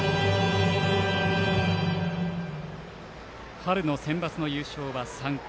春のセンバツの優勝は３回。